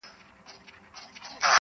ستا د دې ښکلي ځوانیه سره علم ښه ښکارېږي,